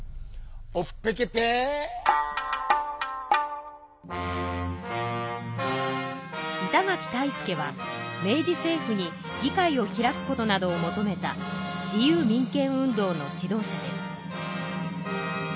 「オッペケペー」板垣退助は明治政府に議会を開くことなどを求めた自由民権運動の指導者です。